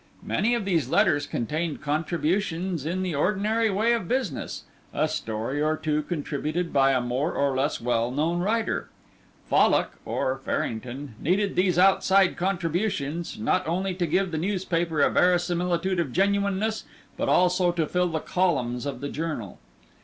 Many of these letters contained contributions in the ordinary way of business, a story or two contributed by a more or less well known writer. Fallock, or Farrington, needed these outside contributions, not only to give the newspaper a verisimilitude of genuineness, but also to fill the columns of the journal.